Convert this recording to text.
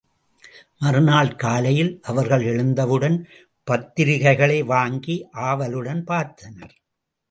மறுநாள் காலையில் அவர்கள் எழுந்தவுடன் பத்திரிகைகளை வாங்கி ஆவலுடன் பார்த்தனர்.